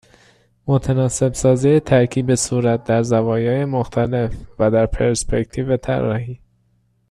متناسب سازی ترکیب صورت در زوایای مختلف و در پرسپکتیو طراحی